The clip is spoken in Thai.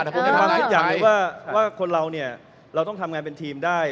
คิดอย่างนี้ว่าคนเราเนี่ยเราต้องทำงานเป็นทีมได้